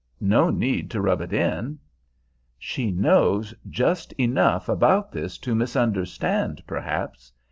No need to rub it in." "She knows just enough about this to misunderstand, perhaps.